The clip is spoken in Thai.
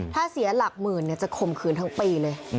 ถ้าเสียหลักหมื่นจะข่มขืนทั้งปีเลย